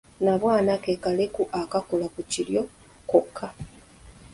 Nnabwana ke kaleku akakula ku kiryo kokka.